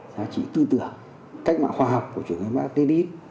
giá trị tư tưởng cách mạng khoa học của chủ nghĩa mạc lên lên